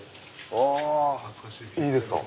あいいですか。